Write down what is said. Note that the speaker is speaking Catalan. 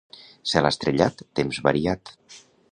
Cel estrellat, temps variat.